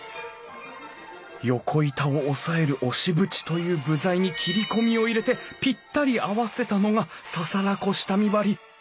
横板を押さえる押縁という部材に切り込みを入れてぴったり合わせたのが簓子下見張り。